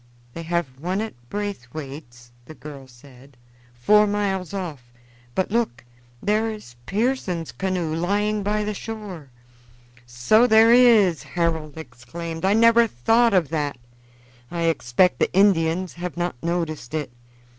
"They have one at Braithwaite's," the girl said, "four miles off; but look, there is Pearson's canoe lying by the shore." "So there is!" Harold exclaimed. "I never thought of that. I expect the Indians have not noticed it.